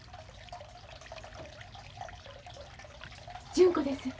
純子です。